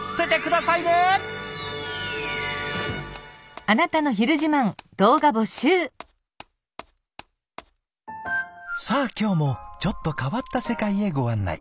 さあ今日もちょっと変わった世界へご案内。